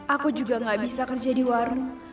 aku juga gak bisa kerja di warung